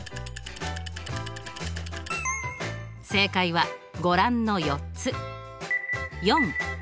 正解はご覧の４つ。